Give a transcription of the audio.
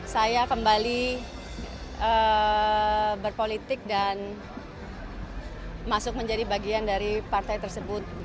saya kembali berpolitik dan masuk menjadi bagian dari partai tersebut